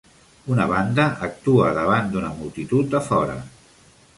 Una banda actua davant d'una multitud a fora